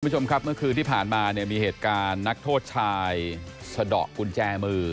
คุณผู้ชมครับเมื่อคืนที่ผ่านมาเนี่ยมีเหตุการณ์นักโทษชายสะดอกกุญแจมือ